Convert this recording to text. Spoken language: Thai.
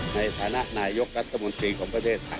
ในฐานะนายกรัฐมนตรีของประเทศไทย